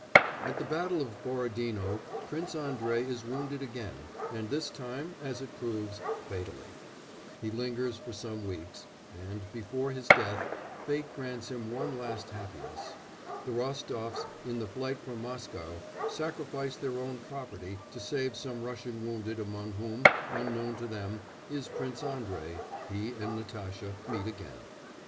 At the battle of Borodino Prince Andrei is wounded again, and this time, as it proves, fatally; he lingers for some weeks, and, before his death, fate grants him one last happiness; the Rostofs, in the flight from Moscow, sacrifice their own property to save some Russian wounded among whom, unknown to them, is Prince Andrei; he and Natasha meet again.